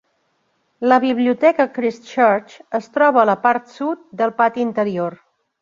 La biblioteca Christ Church es troba a la part sud del pati interior.